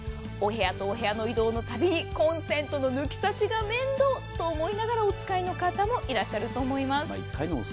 お部屋とお部屋の移動のたび、コンセントの抜き差しが面倒、そう思いながらお使いの方もいらっしゃると思います。